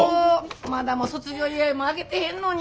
まだ卒業祝もあげてへんのに。